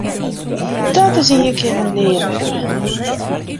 Dat is ien kear mar nea wer!